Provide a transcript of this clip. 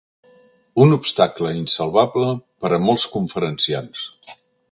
Un obstacle insalvable per a molts conferenciants.